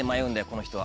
この人は。